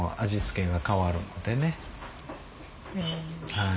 はい。